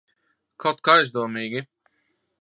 Kaut kā aizdomīgi.